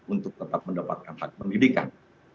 untuk tetap mendapatkan hak pendidikan